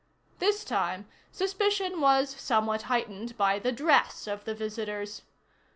This time, suspicion was somewhat heightened by the dress of the visitors.